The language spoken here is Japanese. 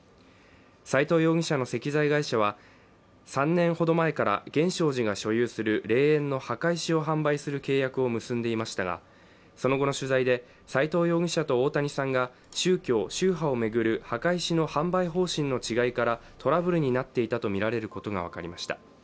斉藤容疑者の石材会社は、３年ほど前から源証寺が所有する霊園の墓石を販売する契約を結んでいましたが、その後の取材で、斉藤容疑者と大谷さんが宗教・宗派を巡る墓石の販売方針の違いからトラブルになっていたとみられることが分かりました。